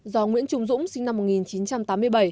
do nguyễn trùng dũng sinh năm một nghìn chín trăm tám mươi ba